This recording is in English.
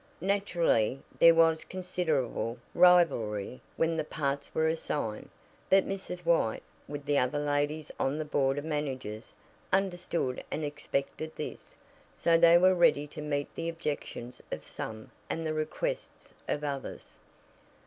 Naturally, there was considerable rivalry when the parts were assigned, but Mrs. White, with the other ladies on the board of managers, understood and expected this, so they were ready to meet the objections of some and the requests of others.